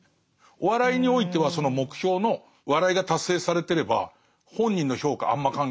お笑いにおいてはその目標の笑いが達成されてれば本人の評価あんま関係ないと。